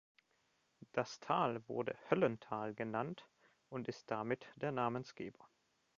Das Tal wurde "Höllental" genannt und ist damit der Namensgeber.